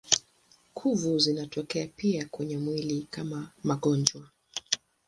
Kuvu zinatokea pia kwenye mwili kama magonjwa.